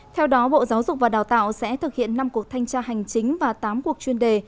theo đó bộ giáo dục và đào tạo sẽ thực hiện năm cuộc thanh tra hành chính và tám cuộc chuyên đề